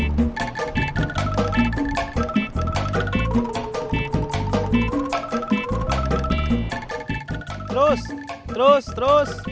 terus terus terus